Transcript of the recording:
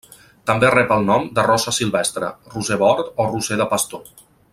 També rep el nom de rosa silvestre, roser bord o roser de pastor.